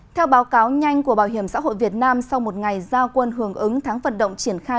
theo báo cáo nhanh của bảo hiểm xã hội việt nam sau một ngày giao quân hưởng ứng tháng vận động triển khai